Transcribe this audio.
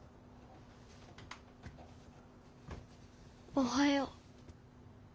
おはよう。